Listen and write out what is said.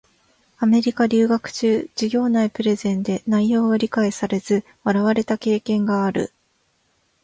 米国留学中、授業内プレゼンで内容が理解されず笑われた経験がある。